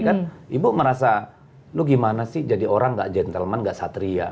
kan ibu merasa lu gimana sih jadi orang gak gentleman gak satria